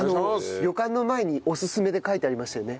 旅館の前におすすめで書いてありましたよね。